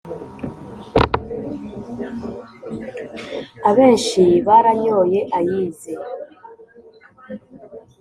Abenshi baranyoye ay’ize !